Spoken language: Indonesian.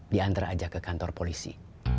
diantar aja ke kantor polisi